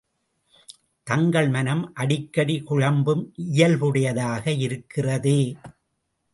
தங்கள் மனம் அடிக்கடி குழம்பும் இயல்புடையதாக இருக்கிறதே?